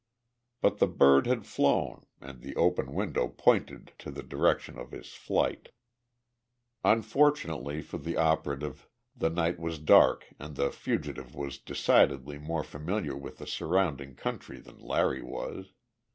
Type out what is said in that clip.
But the bird had flown and the open window pointed to the direction of his flight. Unfortunately for the operative the night was dark and the fugitive was decidedly more familiar with the surrounding country than Larry was.